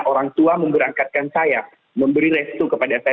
orang tua memberangkatkan saya memberi restu kepada saya